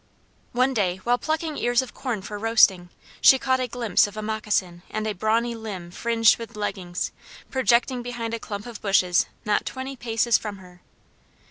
One day while plucking ears of corn for roasting, she caught a glimpse of a moccasin and a brawny limb fringed with leggins, projecting behind a clump of bushes not twenty paces from her.